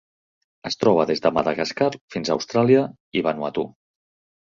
Es troba des de Madagascar fins a Austràlia i Vanuatu.